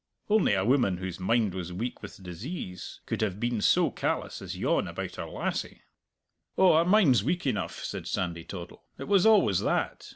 Only a woman whose mind was weak with disease could have been so callous as yon about her lassie." "Oh, her mind's weak enough," said Sandy Toddle. "It was always that!